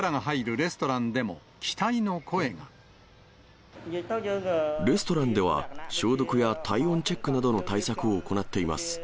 レストランでは消毒や体温チェックなどの対策を行っています。